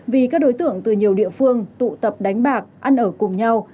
vì các đối tượng từ nhiều địa phương tụ tập đánh bạc ăn ở cùng nhau